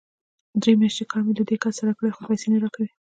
درې مياشتې کار مې له دې کس سره کړی، خو پيسې نه راکوي!